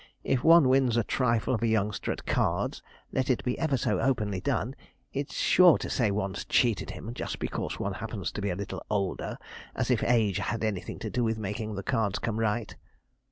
If one wins a trifle of a youngster at cards, let it be ever so openly done, it's sure to say one's cheated him, just because one happens to be a little older, as if age had anything to do with making the cards come right.'